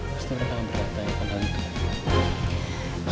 pasti mereka yang berpaksa yang pandangan itu